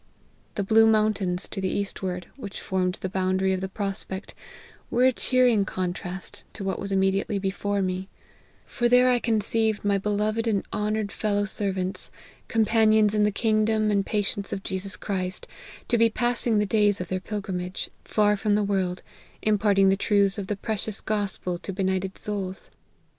The blue mountains, to the eastward, which form ed the boundary of the prospect, were a cheering contrast to what was immediately before me ; for there I conceived my beloved and honoured fellow servants,* companions in the kingdom and patience of Jesus Christ, to be passing the days of their pilgrimage, far from the world, imparting the truths of the precious gospel to benighted souls.